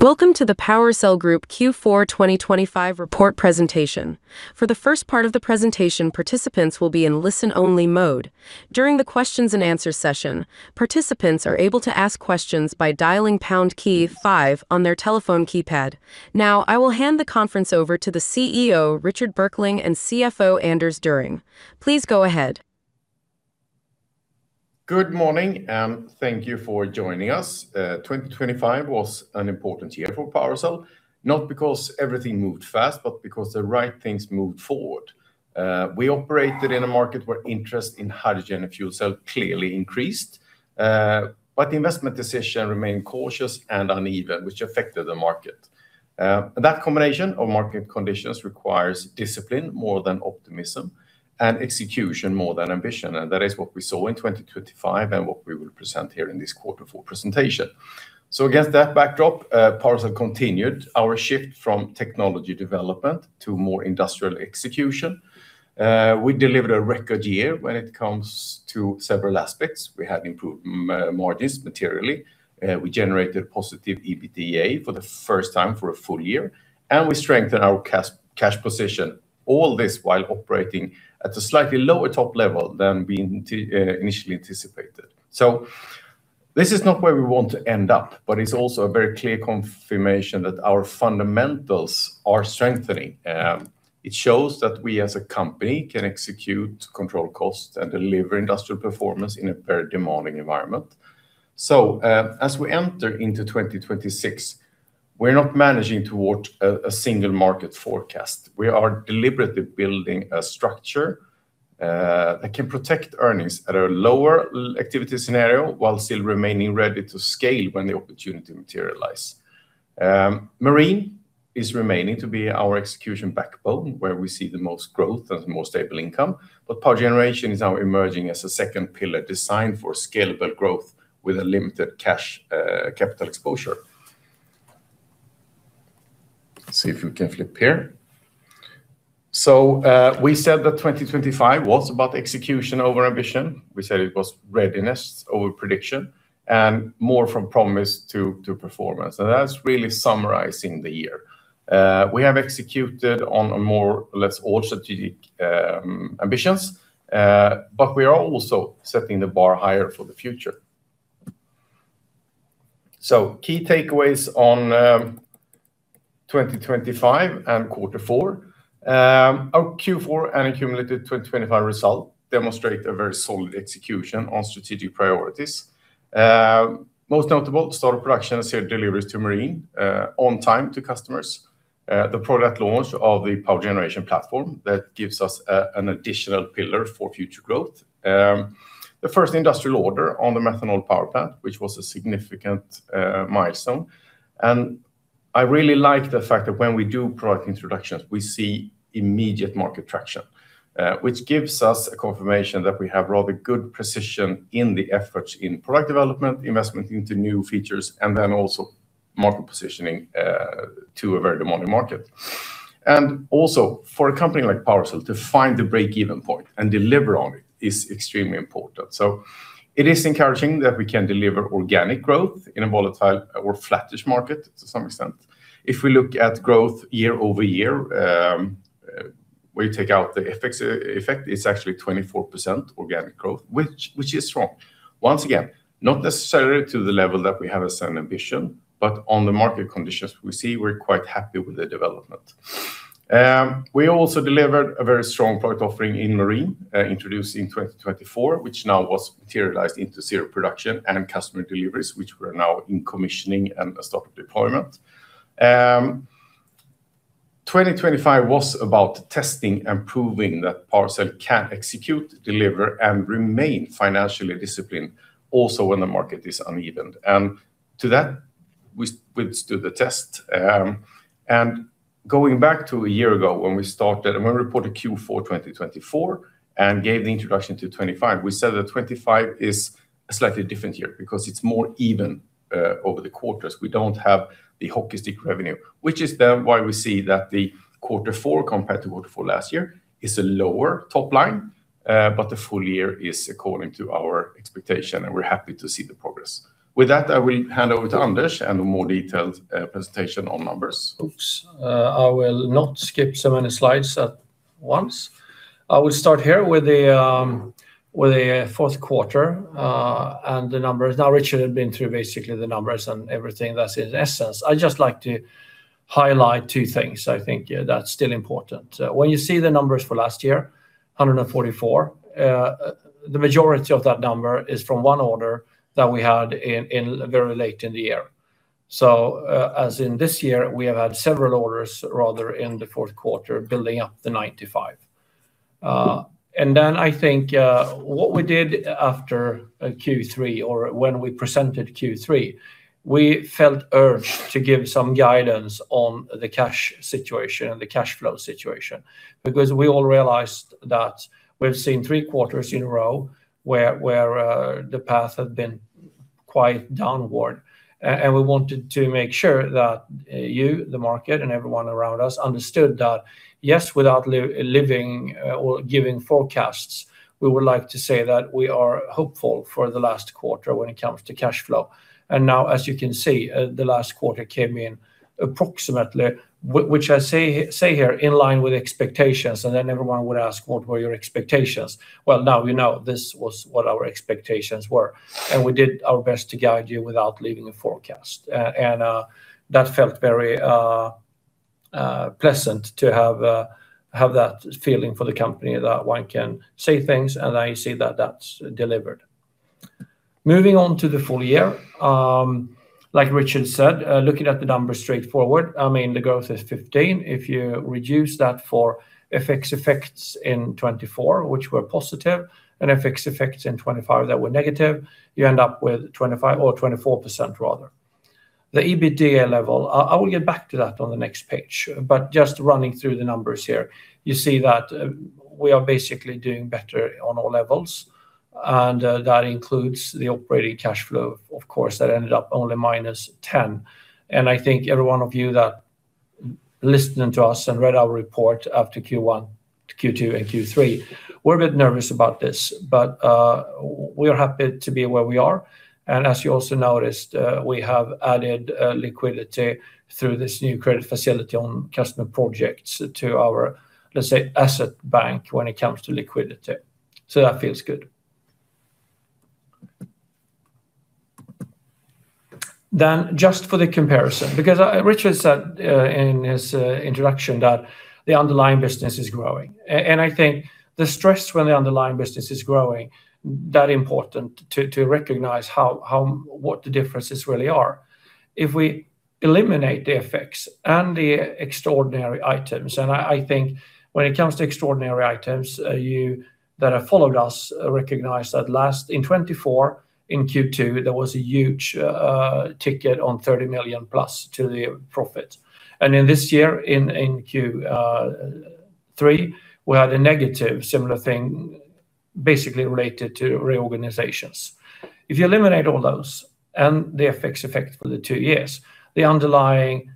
Welcome to the PowerCell Group Q4 2025 report presentation. For the first part of the presentation, participants will be in listen-only mode. During the questions and answer session, participants are able to ask questions by dialing pound key five on their telephone keypad. Now, I will hand the conference over to the CEO, Richard Berkling, and CFO, Anders Düring. Please go ahead. Good morning, and thank you for joining us. 2025 was an important year for PowerCell, not because everything moved fast, but because the right things moved forward. We operated in a market where interest in hydrogen fuel cell clearly increased, but the investment decision remained cautious and uneven, which affected the market. That combination of market conditions requires discipline more than optimism, and execution more than ambition, and that is what we saw in 2025, and what we will present here in this quarter four presentation. So against that backdrop, PowerCell continued our shift from technology development to more industrial execution. We delivered a record year when it comes to several aspects. We have improved margins materially, we generated positive EBITDA for the first time for a full-year, and we strengthened our cash position, all this while operating at a slightly lower top level than we initially anticipated. So this is not where we want to end up, but it's also a very clear confirmation that our fundamentals are strengthening. It shows that we, as a company, can execute, control cost, and deliver industrial performance in a very demanding environment. So, as we enter into 2026, we're not managing toward a single market forecast. We are deliberately building a structure that can protect earnings at a lower activity scenario, while still remaining ready to scale when the opportunity materialize. Marine is remaining to be our execution backbone, where we see the most growth and the most stable income, but Power Generation is now emerging as a second pillar designed for scalable growth with a limited cash, capital exposure. Let's see if we can flip here. So, we said that 2025 was about execution over ambition. We said it was readiness over prediction, and more from promise to performance, and that's really summarizing the year. We have executed on a more or less all strategic ambitions, but we are also setting the bar higher for the future. So key takeaways on 2025 and quarter four. Our Q4 and accumulated 2025 result demonstrate a very solid execution on strategic priorities. Most notable, start of production and ship deliveries to Marine, on time to customers. The product launch of the Power Generation platform, that gives us an additional pillar for future growth. The first industrial order on the methanol power plant, which was a significant milestone. And I really like the fact that when we do product introductions, we see immediate market traction, which gives us a confirmation that we have rather good precision in the efforts in product development, investment into new features, and then also market positioning, to a very demanding market. And also, for a company like PowerCell, to find the break-even point and deliver on it is extremely important. So it is encouraging that we can deliver organic growth in a volatile or flattish market, to some extent. If we look at growth year-over-year, we take out the effects, it's actually 24% organic growth, which is strong. Once again, not necessarily to the level that we have a certain ambition, but on the market conditions we see, we're quite happy with the development. We also delivered a very strong product offering in Marine, introduced in 2024, which now was materialized into zero production and customer deliveries, which we're now in commissioning and a start of deployment. 2025 was about testing and proving that PowerCell can execute, deliver, and remain financially disciplined, also when the market is uneven. And to that, we stood the test. And going back to a year ago when we started, and when we reported Q4 2024, and gave the introduction to 2025, we said that 2025 is a slightly different year, because it's more even over the quarters. We don't have the hockey stick revenue, which is then why we see that the quarter four compared to quarter four last year is a lower top line, but the full-year is according to our expectation, and we're happy to see the progress. With that, I will hand over to Anders, and a more detailed presentation on numbers. Oops. I will not skip so many slides at once. I will start here with the fourth quarter and the numbers. Now, Richard had been through basically the numbers and everything that's in essence. I'd just like to highlight two things I think that's still important. When you see the numbers for last year, 144, the majority of that number is from one order that we had in very late in the year. So, as in this year, we have had several orders rather in the fourth quarter, building up the 95. And then I think what we did after Q3, or when we presented Q3, we felt urged to give some guidance on the cash situation and the cash flow situation, because we all realized that we've seen three quarters in a row where the path had been quite downward. And we wanted to make sure that you, the market, and everyone around us understood that, yes, without living or giving forecasts, we would like to say that we are hopeful for the last quarter when it comes to cash flow. Now, as you can see, the last quarter came in approximately, which I say here, in line with expectations, and then everyone would ask, "What were your expectations?" Well, now you know, this was what our expectations were, and we did our best to guide you without leaving a forecast. And that felt very pleasant to have that feeling for the company, that one can say things, and I see that that's delivered. Moving on to the full-year, like Richard said, looking at the numbers straightforward, I mean, the growth is 15%. If you reduce that for FX effects in 2024, which were positive, and FX effects in 2025, that were negative, you end up with 25%or 24%, rather. The EBITDA level, I will get back to that on the next page, but just running through the numbers here, you see that we are basically doing better on all levels, and that includes the operating cash flow, of course, that ended up only -10. I think every one of you that listening to us and read our report after Q1, Q2, and Q3. We're a bit nervous about this, but we are happy to be where we are. As you also noticed, we have added liquidity through this new credit facility on customer projects to our, let's say, asset bank when it comes to liquidity. So that feels good. Then just for the comparison, because Richard said in his introduction that the underlying business is growing. I think the stress when the underlying business is growing, that important to recognize what the differences really are. If we eliminate the effects and the extraordinary items, and I think when it comes to extraordinary items, you that have followed us recognize that last in 2024, in Q2, there was a huge ticket on 30 million-plus to the profit. And in this year, in Q3, we had a negative, similar thing, basically related to reorganizations. If you eliminate all those and the FX effect for the two years, the underlying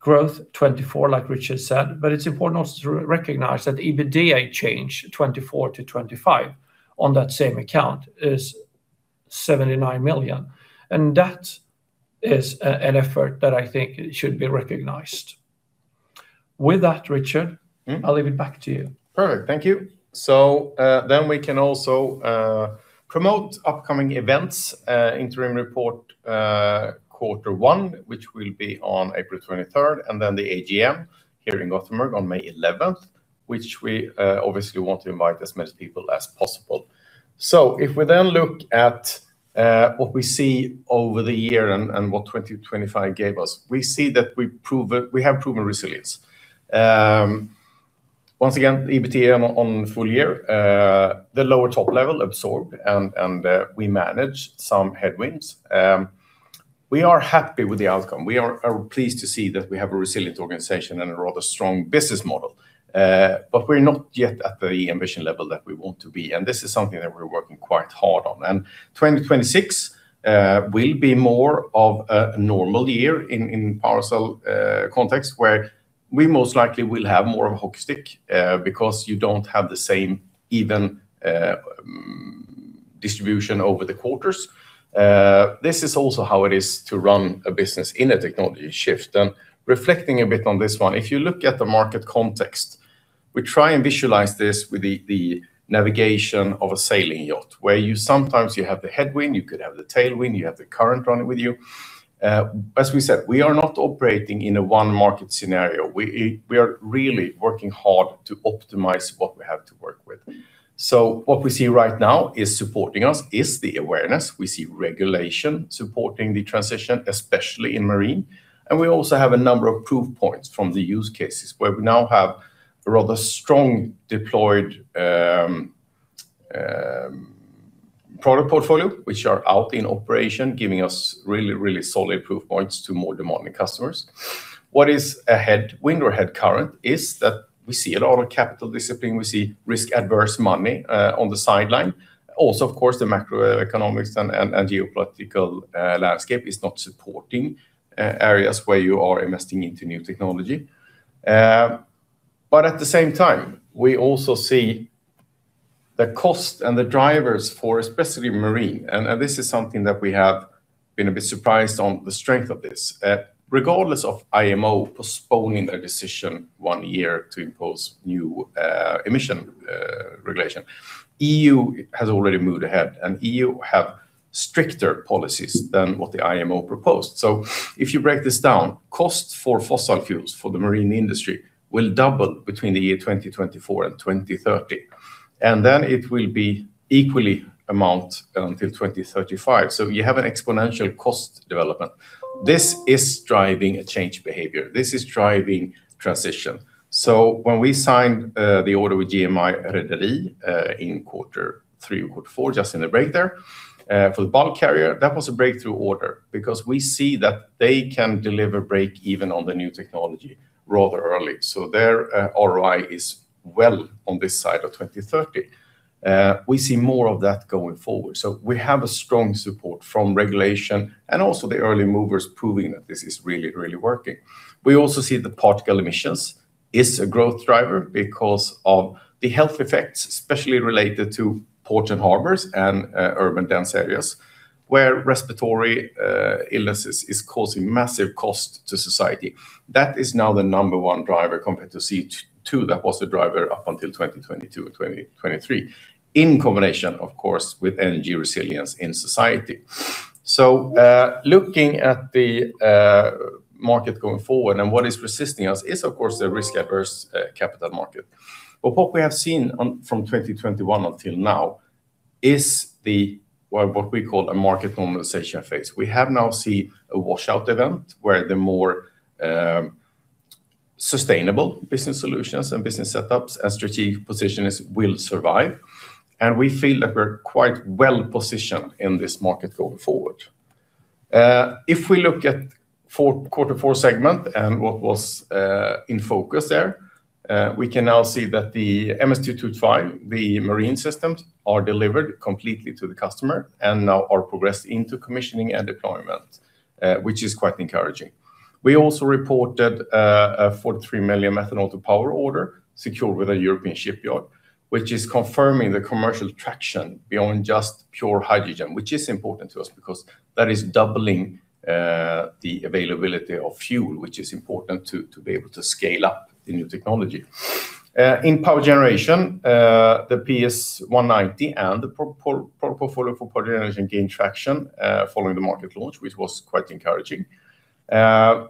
growth, 2024, like Richard said, but it's important also to recognize that EBITDA change 2024 to 2025 on that same account is 79 million, and that is an effort that I think should be recognized. With that, Richard- Mm. I'll leave it back to you. Perfect. Thank you. So, then we can also promote upcoming events, interim report, quarter one, which will be on April 23rd, and then the AGM here in Gothenburg on May 11th, which we obviously want to invite as many people as possible. So if we then look at what we see over the year and what 2025 gave us, we see that we have proven resilience. Once again, EBITDA on full-year, the lower top level absorbed, and we managed some headwinds. We are happy with the outcome. We are pleased to see that we have a resilient organization and a rather strong business model. But we're not yet at the ambition level that we want to be, and this is something that we're working quite hard on. 2026 will be more of a normal year in partial context, where we most likely will have more of a hockey stick, because you don't have the same even distribution over the quarters. This is also how it is to run a business in a technology shift. Reflecting a bit on this one, if you look at the market context, we try and visualize this with the navigation of a sailing yacht, where sometimes you have the headwind, you could have the tailwind, you have the current running with you. As we said, we are not operating in a one-market scenario. We are really working hard to optimize what we have to work with. What we see right now is supporting us, is the awareness. We see regulation supporting the transition, especially in Marine, and we also have a number of proof points from the use cases, where we now have a rather strong deployed product portfolio, which are out in operation, giving us really, really solid proof points to more demanding customers. What is a headwind or head current is that we see a lot of capital discipline, we see risk-averse money on the sideline. Also, of course, the macroeconomics and geopolitical landscape is not supporting areas where you are investing into new technology. But at the same time, we also see the cost and the drivers for especially Marine, and this is something that we have been a bit surprised on the strength of this. Regardless of IMO postponing their decision one year to impose new emission regulation, EU has already moved ahead, and EU have stricter policies than what the IMO proposed. So if you break this down, cost for fossil fuels for the Marine industry will double between the year 2024 and 2030, and then it will be equally amount until 2035. So you have an exponential cost development. This is driving a change behavior. This is driving transition. So when we signed the order with GMI Rederi in quarter three, quarter four, just in the break there, for the bulk carrier, that was a breakthrough order because we see that they can deliver break even on the new technology rather early. So their ROI is-... well on this side of 2030. We see more of that going forward. So we have a strong support from regulation and also the early movers proving that this is really, really working. We also see the particle emissions is a growth driver because of the health effects, especially related to ports and harbors and urban dense areas, where respiratory illnesses is causing massive cost to society. That is now the number one driver compared to CO2, that was the driver up until 2022 or 2023, in combination, of course, with energy resilience in society. So looking at the market going forward and what is resisting us is, of course, the risk-averse capital market. But what we have seen from 2021 until now is the, well, what we call a market normalization phase. We have now seen a washout event, where the more sustainable business solutions and business setups and strategic position is, will survive, and we feel that we're quite well-positioned in this market going forward. If we look at Q4, quarter four segment and what was in focus there, we can now see that the MS 225, the Marine systems, are delivered completely to the customer, and now are progressed into commissioning and deployment, which is quite encouraging. We also reported a 43 million methanol-to-power order secured with a European shipyard, which is confirming the commercial traction beyond just pure hydrogen, which is important to us because that is doubling the availability of fuel, which is important to be able to scale up the new technology. In Power Generation, the PS 190 and the portfolio for Power Generation gained traction, following the market launch, which was quite encouraging.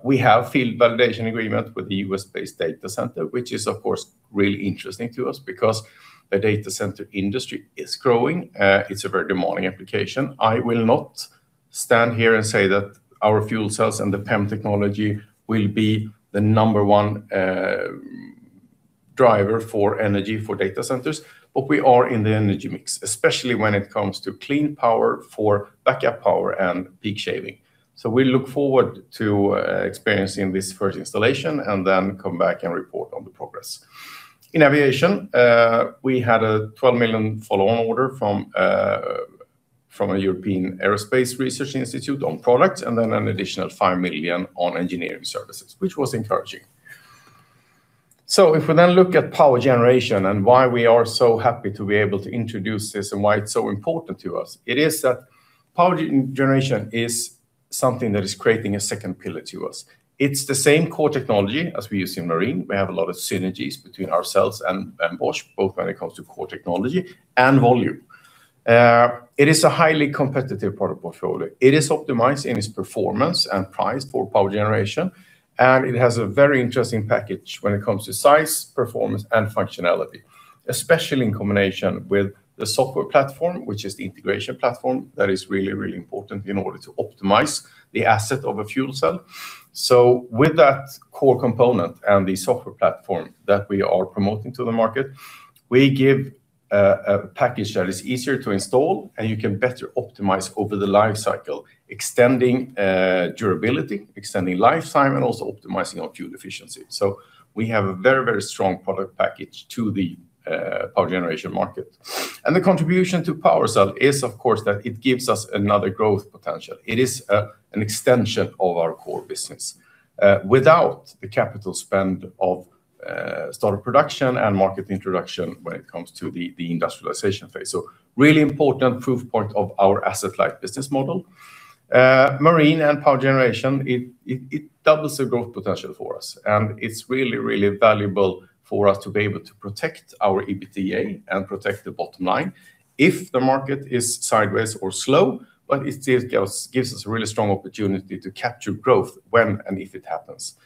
We have field validation agreement with the U.S.-based data center, which is, of course, really interesting to us because the data center industry is growing. It's a very demanding application. I will not stand here and say that our fuel cells and the PEM technology will be the number one driver for energy for data centers, but we are in the energy mix, especially when it comes to clean power for backup power and peak shaving. So we look forward to experiencing this first installation and then come back and report on the progress. In Aviation, we had a 12 million follow-on order from a European Aerospace Research Institute on products, and then an additional 5 million on engineering services, which was encouraging. So if we then look at Power Generation and why we are so happy to be able to introduce this and why it's so important to us, it is that Power Generation is something that is creating a second pillar to us. It's the same core technology as we use in Marine. We have a lot of synergies between ourselves and Bosch, both when it comes to core technology and volume. It is a highly competitive product portfolio. It is optimized in its performance and price for Power Generation, and it has a very interesting package when it comes to size, performance, and functionality, especially in combination with the software platform, which is the integration platform. That is really, really important in order to optimize the asset of a fuel cell. So with that core component and the software platform that we are promoting to the market, we give a package that is easier to install, and you can better optimize over the life cycle, extending durability, extending lifetime, and also optimizing on fuel efficiency. So we have a very, very strong product package to the Power Generation market. And the contribution to PowerCell is, of course, that it gives us another growth potential. It is an extension of our core business without the capital spend of startup production and market introduction when it comes to the industrialization phase. So really important proof point of our asset-light business model. Marine and Power Generation, it doubles the growth potential for us, and it's really, really valuable for us to be able to protect our EBITDA and protect the bottom line if the market is sideways or slow, but it still gives us a really strong opportunity to capture growth when and if it happens.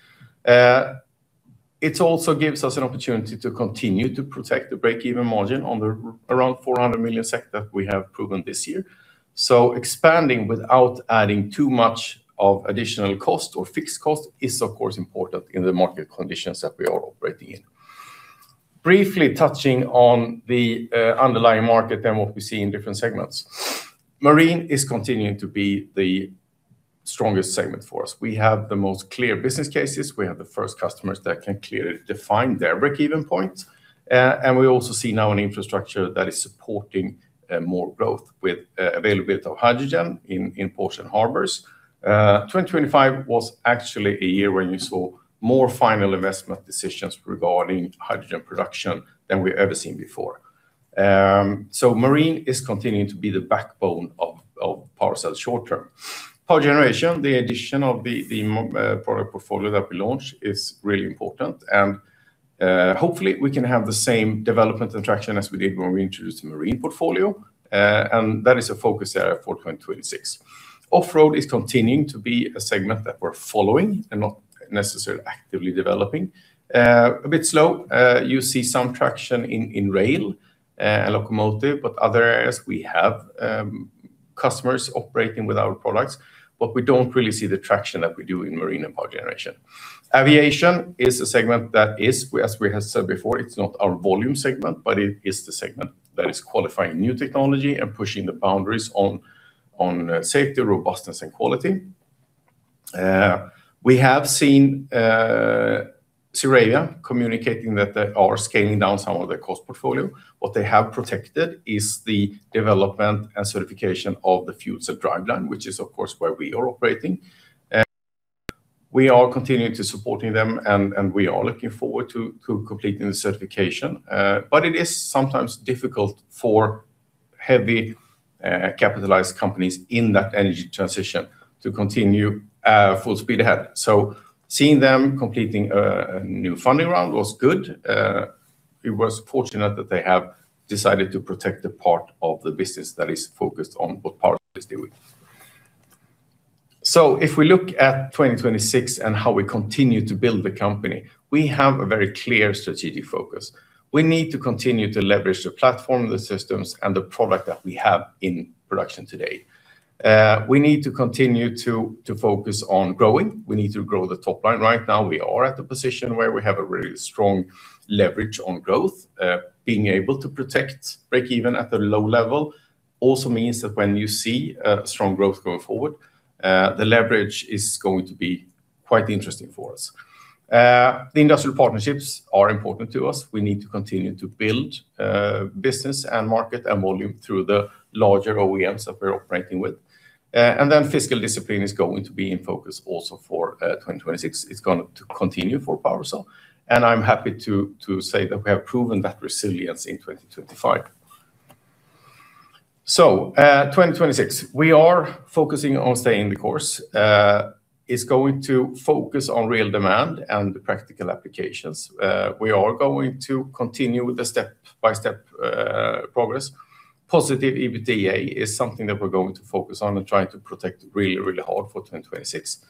It also gives us an opportunity to continue to protect the break-even margin on the around 400 million that we have proven this year. So expanding without adding too much of additional cost or fixed cost is, of course, important in the market conditions that we are operating in. Briefly touching on the underlying market and what we see in different segments. Marine is continuing to be the strongest segment for us. We have the most clear business cases. We have the first customers that can clearly define their break-even points. We also see now an infrastructure that is supporting more growth with availability of hydrogen in ports and harbors. 2025 was actually a year where you saw more final investment decisions regarding hydrogen production than we've ever seen before. Marine is continuing to be the backbone of PowerCell short term. Power Generation, the addition of the product portfolio that we launched is really important, and hopefully, we can have the same development and traction as we did when we introduced the Marine portfolio, and that is a focus area for 2026. Off-road is continuing to be a segment that we're following and not necessarily actively developing. A bit slow, you see some traction in rail and locomotive, but other areas we have customers operating with our products, but we don't really see the traction that we do in Marine and Power Generation. Aviation is a segment that is, as we have said before, it's not our volume segment, but it is the segment that is qualifying new technology and pushing the boundaries on safety, robustness, and quality... We have seen ZeroAvia communicating that they are scaling down some of their cost portfolio. What they have protected is the development and certification of the fuel cell driveline, which is, of course, where we are operating. We are continuing to supporting them, and we are looking forward to completing the certification. But it is sometimes difficult for heavy capitalized companies in that energy transition to continue full speed ahead. So seeing them completing a new funding round was good. It was fortunate that they have decided to protect the part of the business that is focused on what PowerCell is doing. So if we look at 2026 and how we continue to build the company, we have a very clear strategic focus. We need to continue to leverage the platform, the systems, and the product that we have in production today. We need to continue to focus on growing. We need to grow the top line. Right now, we are at the position where we have a really strong leverage on growth. Being able to protect break-even at a low level also means that when you see, strong growth going forward, the leverage is going to be quite interesting for us. The industrial partnerships are important to us. We need to continue to build, business and market and volume through the larger OEMs that we're operating with. And then fiscal discipline is going to be in focus also for, 2026. It's going to continue for PowerCell, and I'm happy to, to say that we have proven that resilience in 2025. So, 2026, we are focusing on staying the course. It's going to focus on real demand and the practical applications. We are going to continue with the step-by-step, progress. Positive EBITDA is something that we're going to focus on and trying to protect really, really hard for 2026.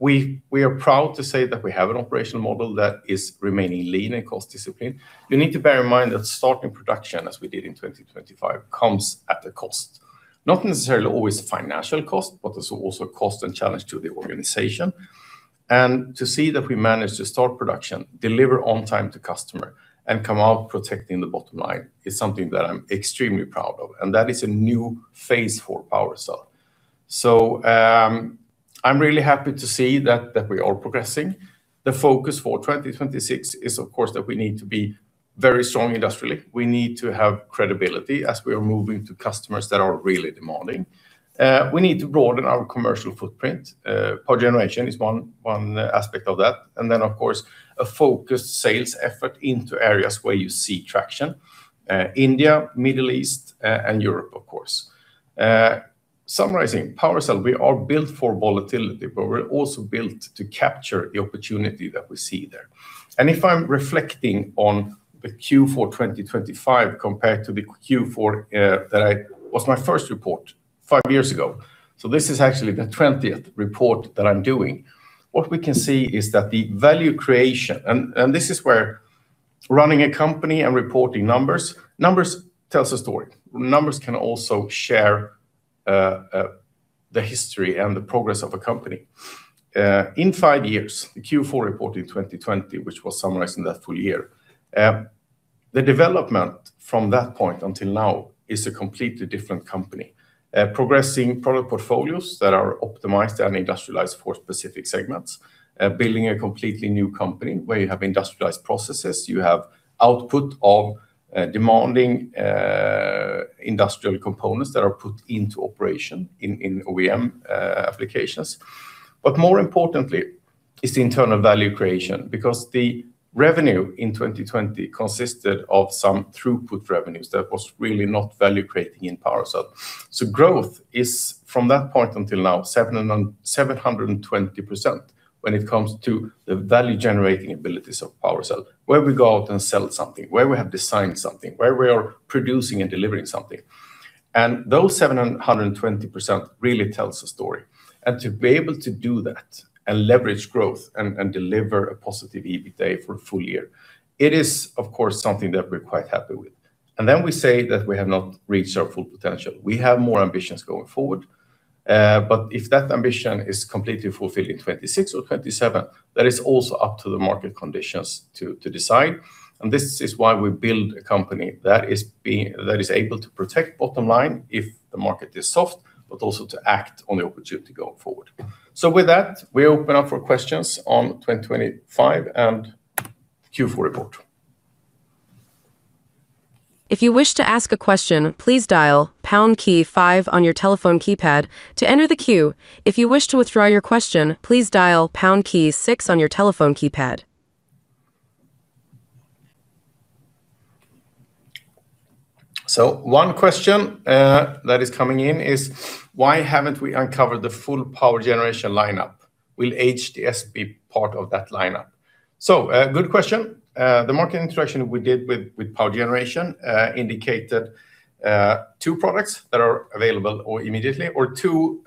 We are proud to say that we have an operational model that is remaining lean and cost discipline. You need to bear in mind that starting production, as we did in 2025, comes at a cost. Not necessarily always financial cost, but it's also cost and challenge to the organization. And to see that we managed to start production, deliver on time to customer, and come out protecting the bottom line, is something that I'm extremely proud of, and that is a new phase for PowerCell. So, I'm really happy to see that we are progressing. The focus for 2026 is, of course, that we need to be very strong industrially. We need to have credibility as we are moving to customers that are really demanding. We need to broaden our commercial footprint. Power Generation is one aspect of that, and then, of course, a focused sales effort into areas where you see traction, India, Middle East, and Europe, of course. Summarizing, PowerCell, we are built for volatility, but we're also built to capture the opportunity that we see there. And if I'm reflecting on the Q4 2025, compared to the Q4 that was my first report five years ago, so this is actually the twentieth report that I'm doing. What we can see is that the value creation. And this is where running a company and reporting numbers, numbers tells a story. Numbers can also share the history and the progress of a company. In five years, the Q4 report in 2020, which was summarized in that full-year, the development from that point until now is a completely different company. Progressing product portfolios that are optimized and industrialized for specific segments. Building a completely new company, where you have industrialized processes, you have output of demanding industrial components that are put into operation in OEM applications. But more importantly, it's the internal value creation, because the revenue in 2020 consisted of some throughput revenues that was really not value-creating in PowerCell. So growth is, from that point until now, 720% when it comes to the value-generating abilities of PowerCell, where we go out and sell something, where we have designed something, where we are producing and delivering something. And those 720% really tells a story. To be able to do that and leverage growth and deliver a positive EBITDA for a full-year, it is, of course, something that we're quite happy with. We say that we have not reached our full potential. We have more ambitions going forward, but if that ambition is completely fulfilled in 2026 or 2027, that is also up to the market conditions to decide. This is why we build a company that is able to protect bottom line if the market is soft, but also to act on the opportunity going forward. With that, we open up for questions on 2025 and Q4 report. If you wish to ask a question, please dial pound key five on your telephone keypad to enter the queue. If you wish to withdraw your question, please dial pound key six on your telephone keypad. So one question that is coming in is: Why haven't we uncovered the full Power Generation lineup? Will HDS be part of that lineup? So, good question. The market interaction we did with Power Generation indicated two products that are available or immediately, or two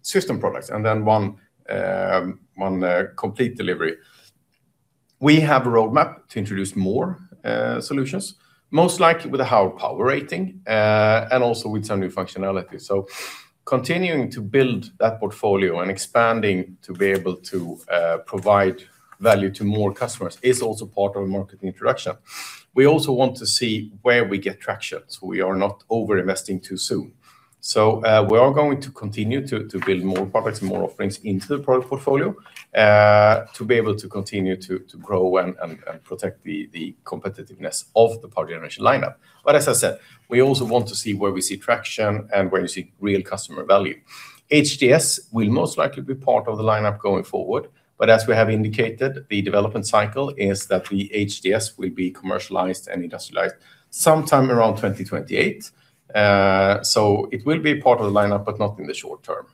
system products, and then one complete delivery. We have a roadmap to introduce more solutions, most likely with a higher power rating, and also with some new functionality. So continuing to build that portfolio and expanding to be able to provide value to more customers is also part of the market introduction. We also want to see where we get traction, so we are not over-investing too soon. So, we are going to continue to build more products and more offerings into the product portfolio, to be able to continue to grow and protect the competitiveness of the Power Generation lineup. But as I said, we also want to see where we see traction and where we see real customer value. HDS will most likely be part of the lineup going forward, but as we have indicated, the development cycle is that the HDS will be commercialized and industrialized sometime around 2028. So it will be part of the lineup, but not in the short term.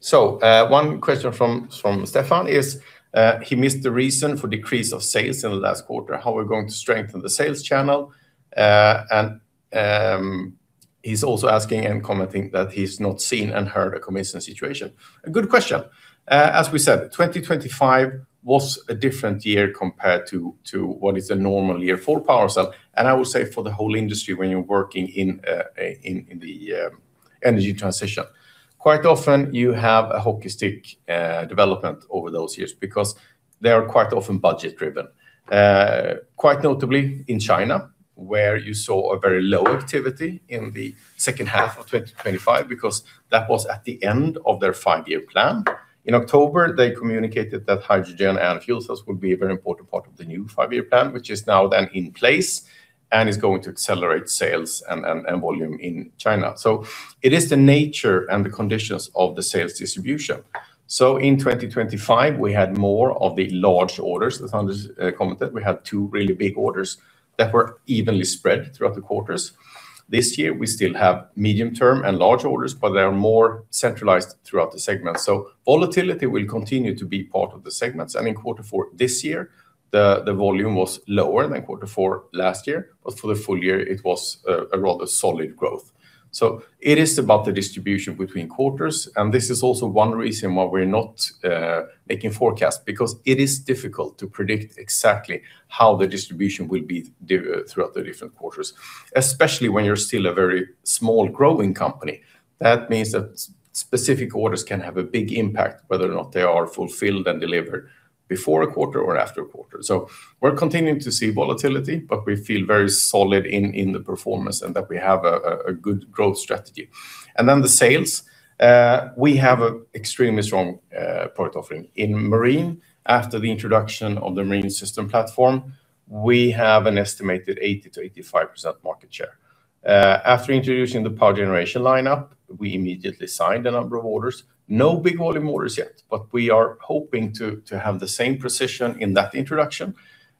So, one question from Stefan is, he missed the reason for decrease of sales in the last quarter, how we're going to strengthen the sales channel. He's also asking and commenting that he's not seen and heard a convincing situation. A good question. As we said, 2025 was a different year compared to what is a normal year for PowerCell, and I would say for the whole industry, when you're working in the energy transition. Quite often, you have a hockey stick development over those years because they are quite often budget-driven. Quite notably in China, where you saw a very low activity in the second half of 2025, because that was at the end of their five-year plan. In October, they communicated that hydrogen and fuel cells would be a very important part of the new five-year plan, which is now then in place and is going to accelerate sales and volume in China. So it is the nature and the conditions of the sales distribution. So in 2025, we had more of the large orders. As Anders commented, we had two really big orders that were evenly spread throughout the quarters. This year, we still have medium-term and large orders, but they are more centralized throughout the segment. So volatility will continue to be part of the segments. And in quarter four this year, the volume was lower than quarter four last year, but for the full-year it was a rather solid growth. So it is about the distribution between quarters, and this is also one reason why we're not making forecasts, because it is difficult to predict exactly how the distribution will be throughout the different quarters, especially when you're still a very small, growing company. That means that specific orders can have a big impact, whether or not they are fulfilled and delivered before a quarter or after a quarter. So we're continuing to see volatility, but we feel very solid in the performance and that we have a good growth strategy. Then the sales, we have a extremely strong product offering. In Marine, after the introduction of the Marine system platform, we have an estimated 80%-85% market share. After introducing the Power Generation lineup, we immediately signed a number of orders. No big volume orders yet, but we are hoping to have the same precision in that introduction.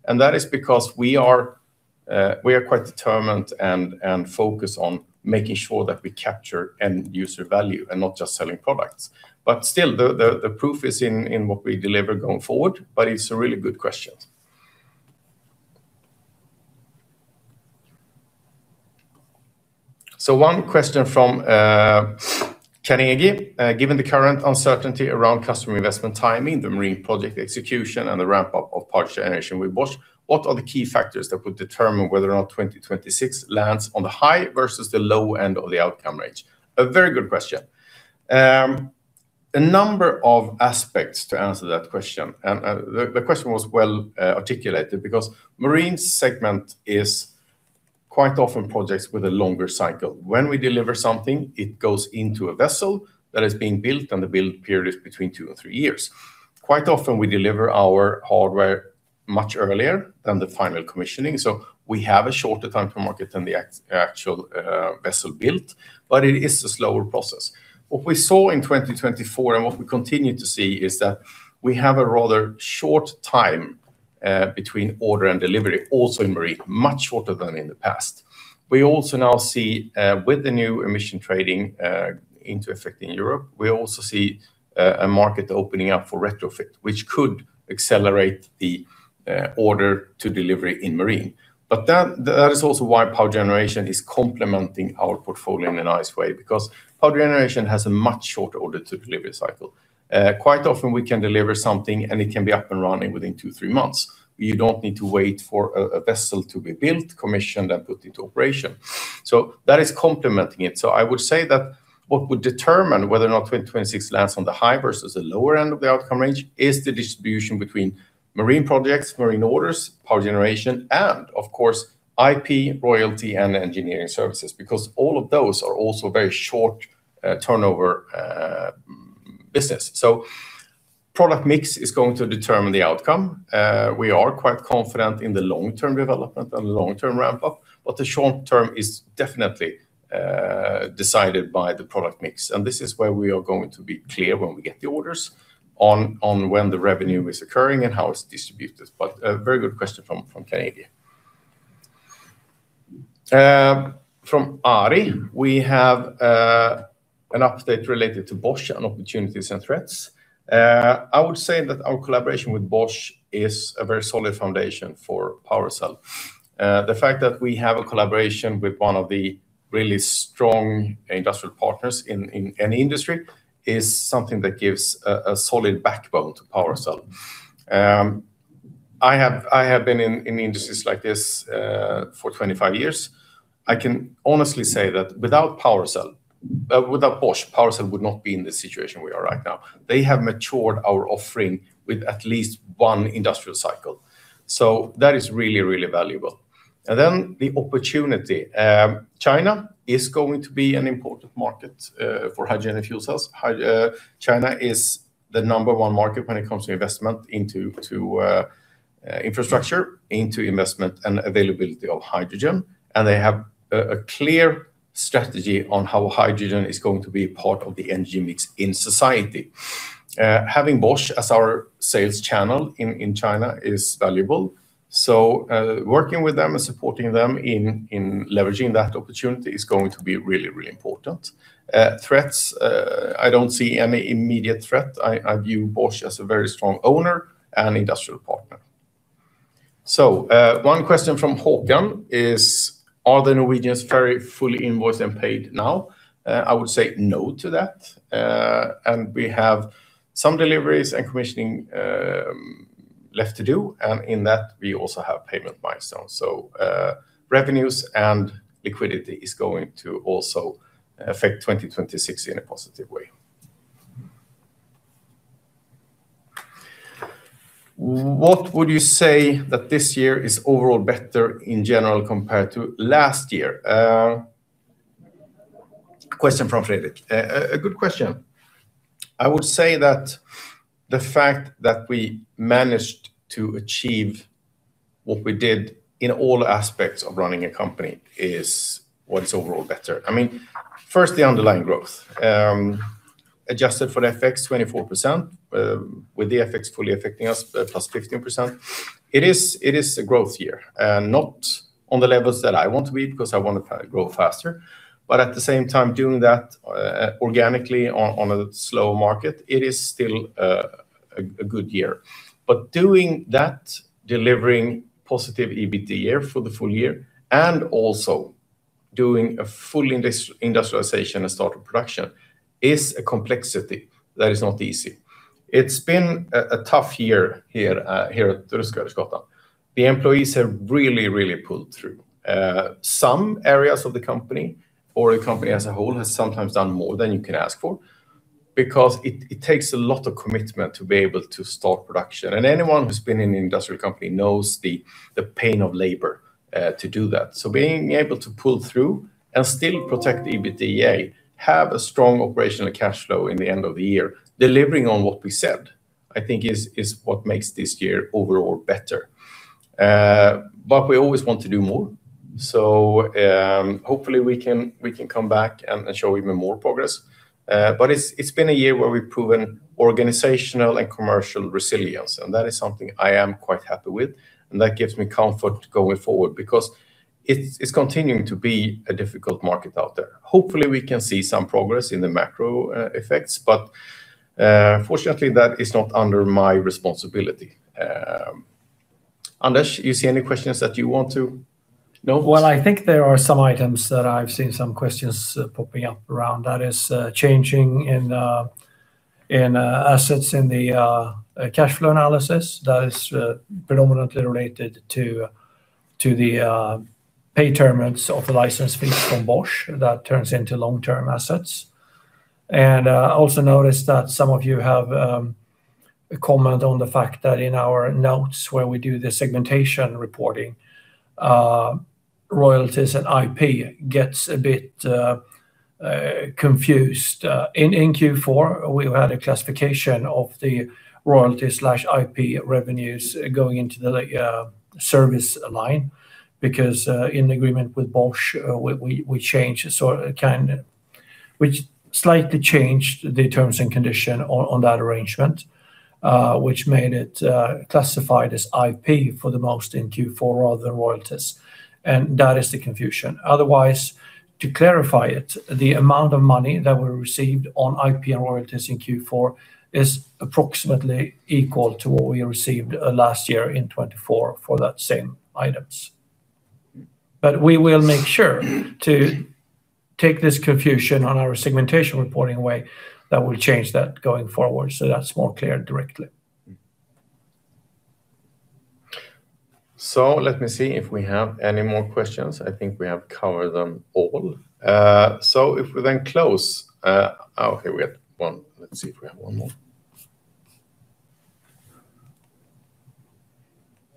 And that is because we are quite determined and focused on making sure that we capture end user value and not just selling products. But still, the proof is in what we deliver going forward, but it's a really good question. So one question from Carnegie: Given the current uncertainty around customer investment timing, the Marine project execution, and the ramp-up of Power Generation with Bosch, what are the key factors that would determine whether or not 2026 lands on the high versus the low end of the outcome range? A very good question. A number of aspects to answer that question, and the question was well articulated, because Marine segment is quite often projects with a longer cycle. When we deliver something, it goes into a vessel that is being built, and the build period is between two and three years. Quite often, we deliver our hardware much earlier than the final commissioning, so we have a shorter time to market than the actual vessel built, but it is a slower process. What we saw in 2024, and what we continue to see, is that we have a rather short time between order and delivery, also in Marine, much shorter than in the past. We also now see, with the new emission trading into effect in Europe, we also see a market opening up for retrofit, which could accelerate the order to delivery in Marine. But that is also why Power Generation is complementing our portfolio in a nice way, because Power Generation has a much shorter order-to-delivery cycle. Quite often, we can deliver something, and it can be up and running within two to three months. You don't need to wait for a vessel to be built, commissioned, and put into operation. So that is complementing it. So I would say that what would determine whether or not 2026 lands on the high versus the lower end of the outcome range is the distribution between Marine projects, Marine orders, Power Generation, and of course, IP, royalty, and engineering services, because all of those are also very short turnover business. So product mix is going to determine the outcome. We are quite confident in the long-term development and long-term ramp-up, but the short term is definitely decided by the product mix, and this is where we are going to be clear when we get the orders on when the revenue is occurring and how it's distributed. But a very good question from Carnegie. From Ari, we have an update related to Bosch on opportunities and threats. I would say that our collaboration with Bosch is a very solid foundation for PowerCell. The fact that we have a collaboration with one of the really strong industrial partners in any industry is something that gives a solid backbone to PowerCell. I have been in industries like this for 25 years. I can honestly say that without Bosch, PowerCell would not be in the situation we are right now. They have matured our offering with at least one industrial cycle. So that is really, really valuable. And then the opportunity. China is going to be an important market for hydrogen and fuel cells. China is the number one market when it comes to investment into infrastructure, into investment and availability of hydrogen, and they have a clear strategy on how hydrogen is going to be part of the energy mix in society. Having Bosch as our sales channel in China is valuable, so working with them and supporting them in leveraging that opportunity is going to be really, really important. Threats, I don't see any immediate threat. I view Bosch as a very strong owner and industrial partner. So one question from Håkan is: "Are the Norwegians very fully invoiced and paid now?" I would say no to that. And we have some deliveries and commissioning left to do, and in that, we also have payment milestones. So, revenues and liquidity is going to also affect 2026 in a positive way. "What would you say that this year is overall better in general compared to last year?" Question from Fredrik. A good question. I would say that the fact that we managed to achieve what we did in all aspects of running a company is what is overall better. I mean, first, the underlying growth. Adjusted for FX, 24%, with the FX fully affecting us, plus 15%. It is a growth year, not on the levels that I want to be, because I want to grow faster, but at the same time, doing that, organically on a slow market, it is still a good year. But doing that, delivering positive EBITDA for the full-year, and also doing a full industrialization and start of production, is a complexity that is not easy. It's been a tough year here at PowerCell Sweden. The employees have really, really pulled through. Some areas of the company or the company as a whole has sometimes done more than you can ask for, because it takes a lot of commitment to be able to start production. And anyone who's been in an industrial company knows the pain of labor to do that. So being able to pull through and still protect the EBITDA, have a strong operational cash flow in the end of the year, delivering on what we said, I think is what makes this year overall better. But we always want to do more, so hopefully we can come back and show even more progress. But it's been a year where we've proven organizational and commercial resilience, and that is something I am quite happy with, and that gives me comfort going forward, because it's continuing to be a difficult market out there. Hopefully, we can see some progress in the macro effects, but fortunately, that is not under my responsibility. Anders, you see any questions that you want to note? Well, I think there are some items that I've seen some questions popping up around. That is, changing in assets in the cash flow analysis that is predominantly related to the pay terms of the license fees from Bosch that turns into long-term assets. And, I also noticed that some of you have a comment on the fact that in our notes where we do the segmentation reporting, royalties and IP gets a bit confused. In Q4, we've had a classification of the royalty/IP revenues going into the service line, because in agreement with Bosch, we changed sort of, kind of—which slightly changed the terms and condition on that arrangement, which made it classified as IP for the most in Q4, rather than royalties, and that is the confusion. Otherwise, to clarify it, the amount of money that we received on IP and royalties in Q4 is approximately equal to what we received last year in 2024 for that same items. But we will make sure to take this confusion on our segmentation reporting away, that will change that going forward, so that's more clear directly. So let me see if we have any more questions. I think we have covered them all. So if we then close... Oh, here we have one. Let's see if we have one more.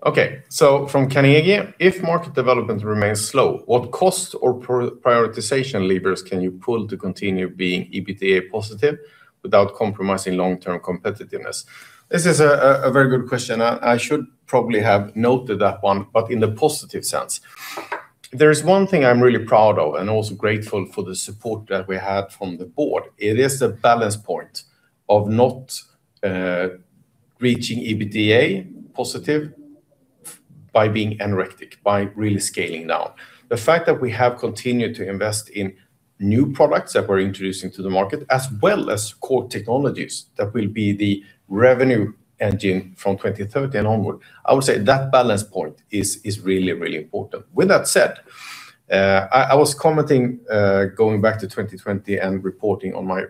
Okay, so from Carnegie: "If market development remains slow, what costs or pri- prioritization levers can you pull to continue being EBITDA positive without compromising long-term competitiveness?" This is a very good question. I should probably have noted that one, but in the positive sense. There is one thing I'm really proud of, and also grateful for the support that we had from the board. It is the balance point of not reaching EBITDA positive by being anorectic, by really scaling down. The fact that we have continued to invest in new products that we're introducing to the market, as well as core technologies, that will be the revenue engine from 2030 and onward, I would say that balance point is really, really important. With that said, I was commenting, going back to 2020 and reporting on my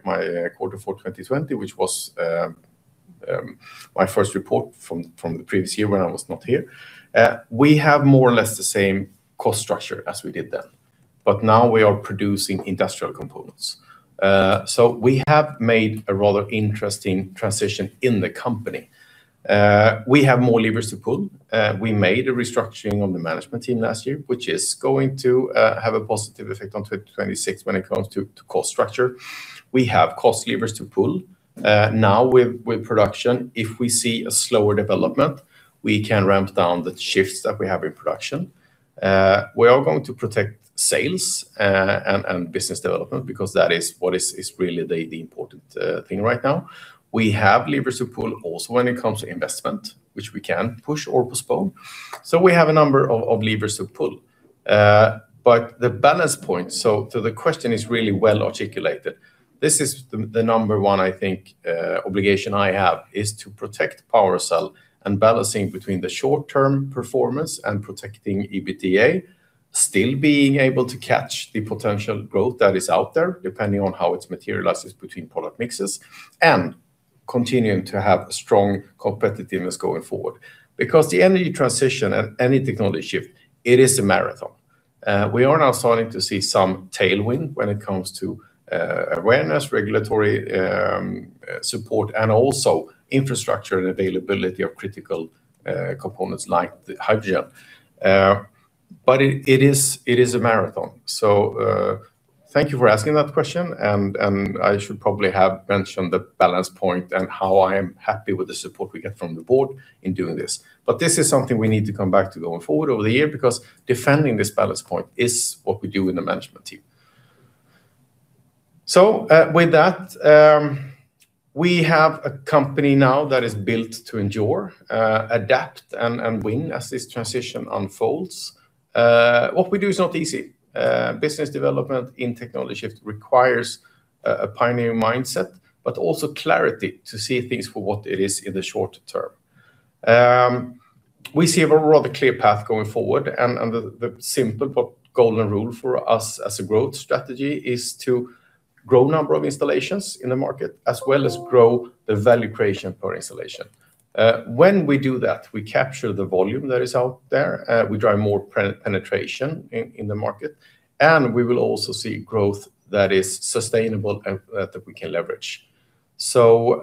quarter for 2020, which was my first report from the previous year when I was not here. We have more or less the same cost structure as we did then, but now we are producing industrial components. So we have made a rather interesting transition in the company. We have more levers to pull. We made a restructuring on the management team last year, which is going to have a positive effect on 2026 when it comes to, to cost structure. We have cost levers to pull. Now with, with production, if we see a slower development, we can ramp down the shifts that we have in production. We are going to protect sales and business development because that is what is, is really the, the important thing right now. We have levers to pull also when it comes to investment, which we can push or postpone. So we have a number of, of levers to pull. But the balance point, so, so the question is really well-articulated. This is the, the number one, I think, obligation I have, is to protect PowerCell and balancing between the short-term performance and protecting EBITDA, still being able to catch the potential growth that is out there, depending on how it materializes between product mixes, and continuing to have strong competitiveness going forward. Because the energy transition and any technology shift, it is a marathon. We are now starting to see some tailwind when it comes to, awareness, regulatory, support, and also infrastructure and availability of critical, components like the hydrogen. But it, it is, it is a marathon. So, thank you for asking that question, and, and I should probably have mentioned the balance point and how I am happy with the support we get from the board in doing this. But this is something we need to come back to going forward over the year, because defending this balance point is what we do in the management team. With that, we have a company now that is built to endure, adapt, and win as this transition unfolds. What we do is not easy. Business development in technology shift requires a pioneering mindset, but also clarity to see things for what it is in the short term. We see a rather clear path going forward, and the simple but golden rule for us as a growth strategy is to grow number of installations in the market, as well as grow the value creation per installation. When we do that, we capture the volume that is out there, we drive more penetration in the market, and we will also see growth that is sustainable and that we can leverage. So,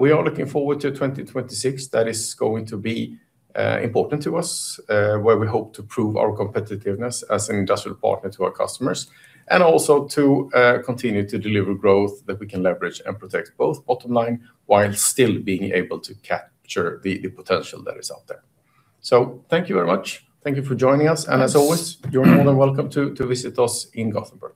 we are looking forward to 2026. That is going to be important to us, where we hope to prove our competitiveness as an industrial partner to our customers, and also to continue to deliver growth that we can leverage and protect both bottom line, while still being able to capture the potential that is out there. So thank you very much. Thank you for joining us, and as always, you're more than welcome to visit us in Gothenburg.